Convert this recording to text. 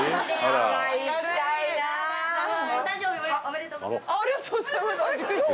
ありがとうございます。